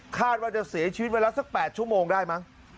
คาดว่าจะเสียชีวิตไปแล้วสัก๘ชุมงค์ได้มั้ง